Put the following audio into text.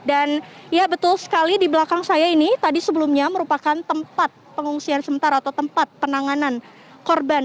dan ya betul sekali di belakang saya ini tadi sebelumnya merupakan tempat pengungsian sementara atau tempat penanganan korban